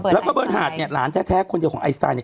แล้วก็เบอร์หาดเนี่ยหลานแท้คนเดียวของไอสไตลเนี่ย